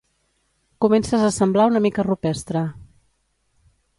Comences a semblar una mica rupestre.